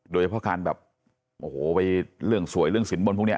โดยเฉพาะการแบบโอ้โหไปเรื่องสวยเรื่องสินบนพวกนี้